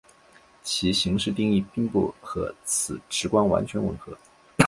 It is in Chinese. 其形式定义并不和此直观完全吻合。